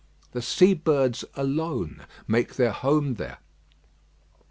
The sea birds alone make their home there.